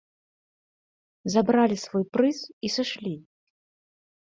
Забралі свой прыз і сышлі!